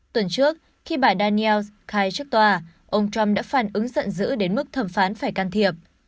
tuần trước khi bà daniels khai trước tòa ông trump đã phản ứng giận dữ đến mức thẩm phán phải can thiệp